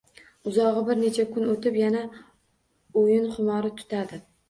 Uzogʻi bir necha kun oʻtib yana oʻyin xumori tutadi